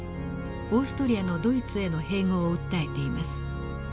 オーストリアのドイツへの併合を訴えています。